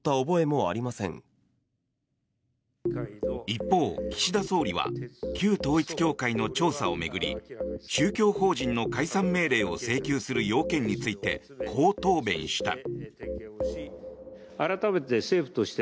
一方、岸田総理は旧統一教会の調査を巡り宗教法人の解散命令を請求する要件について、こう答弁した。